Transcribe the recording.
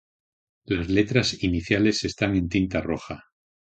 Las letras iniciales están en tinta roja.